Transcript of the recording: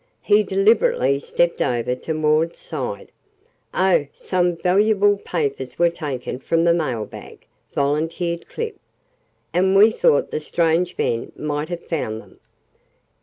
He deliberately stepped over to Maud's side. "Oh, some valuable papers were taken from the mailbag," volunteered Clip. "And we thought the strange men might have found them."